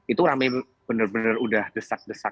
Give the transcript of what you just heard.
itu rame bener bener udah desak desak